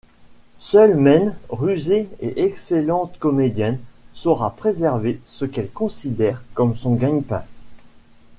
Seule Maine, rusée et excellente comédienne, saura préserver ce qu'elle considère comme son gagne-pain.